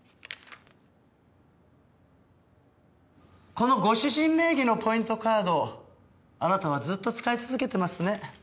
このご主人名義のポイントカードをあなたはずっと使い続けてますね。